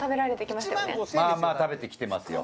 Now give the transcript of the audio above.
まあまあ食べてきてますよ